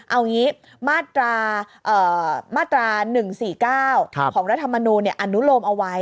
เอาอย่างนี้มาตรา๑๔๙ของรัฐธรรมนูนอนุโลมเอาไว้